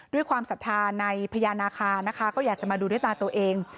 ความศรัทธาในพญานาคานะคะก็อยากจะมาดูด้วยตาตัวเอง